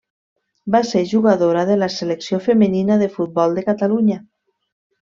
Va ser jugadora de la Selecció femenina de futbol de Catalunya.